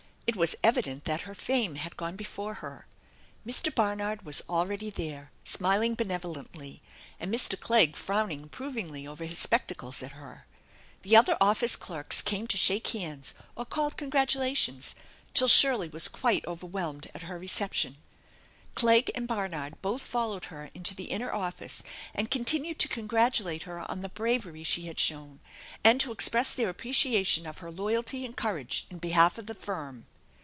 It was evident that her fame had gone before her. Mr. Barnard was already there, smiling benevolently, and Mr. Clegg frowning approvingly over his spectacles at her, Che other office clerks came to shake hands or called congratu lations, till Shirley was quite overwhelmed at her reception, Clegg and Barnard both followed her into the inner offica and continued to congratulate her on the bravery she had shown and to express their appreciation of her loyalty and courage in behalf of the firm.